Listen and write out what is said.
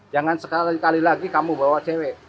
jangan sekali kali lagi kamu bawa cewek